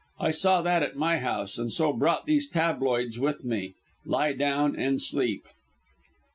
"I saw that at my house, and so brought these tabloids with me. Lie down and sleep."